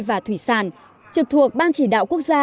và thủy sản trực thuộc ban chỉ đạo quốc gia